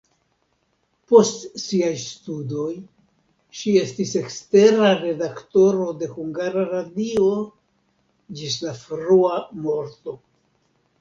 Post siaj studoj ŝi estis ekstera redaktoro de Hungara Radio ĝis la frua morto.